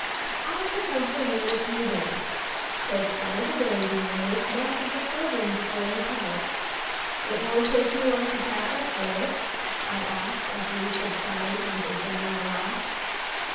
"I shall come for you in a few days; so cuddle the baby and make much of the children before you part. It won't take you long to pack up, will it?" I asked, as we subsided with a general laugh.